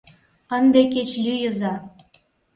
Ынде кеч лӱйыза!..